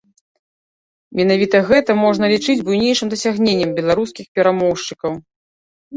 Менавіта гэта можна лічыць буйнейшым дасягненнем беларускіх перамоўшчыкаў.